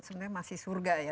sebenarnya masih surga ya